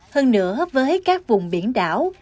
hơn nữa với các vùng biển đảo